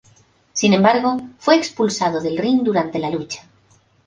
Sin embargo, fue expulsado del ring durante la lucha.